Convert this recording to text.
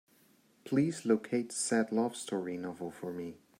Please locate Sad Love Story novel for me.